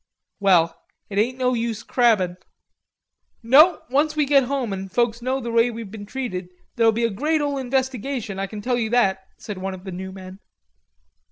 "Well, it ain't no use crabbin'." "No, onct we git home an' folks know the way we've been treated, there'll be a great ole investigation. I can tell you that," said one of the new men.